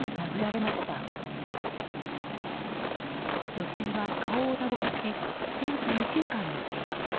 女性は、顔を打撲し全治２週間のけが。